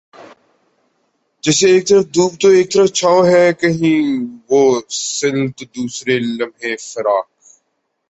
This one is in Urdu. جیسے ایک طرف دھوپ تو ایک طرف چھاؤں ہے کہیں وصل تو دوسرے لمحےفراق